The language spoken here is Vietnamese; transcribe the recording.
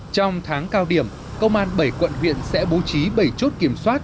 trong tháng cao điểm công an bảy quận huyện sẽ bố trí bảy chốt kiểm soát